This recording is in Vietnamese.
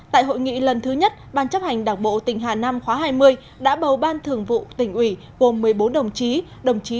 tại hội nghị lần thứ nhất ban chấp hành đảng bộ tỉnh hà nam khóa hai mươi đã bầu ban thường vụ tỉnh ủy gồm một mươi bốn đồng chí